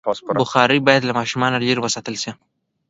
بخاري باید له ماشومانو لرې وساتل شي.